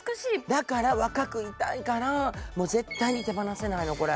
だから若くいたいから絶対に手放せないの。